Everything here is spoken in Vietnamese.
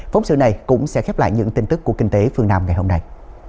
phóng sự này cũng sẽ khép lại những tin tức của kinh tế phương nam ngày hôm nay